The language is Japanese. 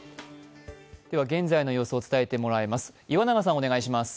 現在の様子を伝えてもらいます。